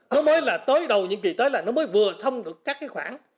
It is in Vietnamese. nó mới là tới đầu nhiệm kỳ tới là nó mới vừa thông được các cái khoản